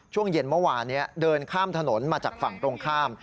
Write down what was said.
ช่วงเย็นเมื่อวานนี้เดินข้ามถนนมาจากฝั่งตรงข้าม